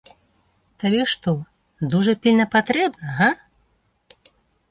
Табе што, дужа пільна патрэбна, га?